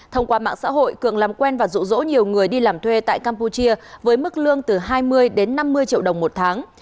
thông qua mạng xã hội cường làm quen và rụ rỗ nhiều người đi làm thuê tại campuchia với mức lương từ hai mươi đến năm mươi triệu đồng một tháng